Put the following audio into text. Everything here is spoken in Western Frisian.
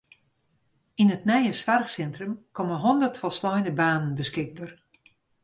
Yn it nije soarchsintrum komme hûndert folsleine banen beskikber.